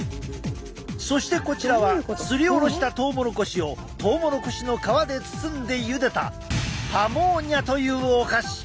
そしてこちらはすりおろしたトウモロコシをトウモロコシの皮で包んでゆでたパモーニャというお菓子。